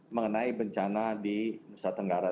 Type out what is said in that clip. mengenai bencana di nusa tenggara